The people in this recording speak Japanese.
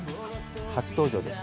初登場です。